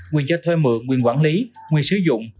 quyền cho thuê mượn quyền quản lý quyền sử dụng